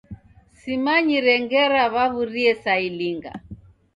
Simanyire ngera w'aw'urie saa ilinga.